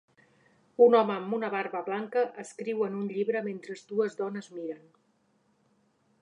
Un home amb una barba blanca escriu en un llibre mentre dues dones miren